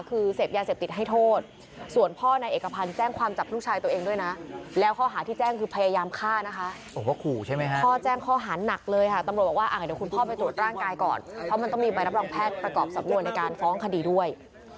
ก็ไม่มีมารับรองแพทย์ประกอบสำนวนในการฟ้องคดีด้วย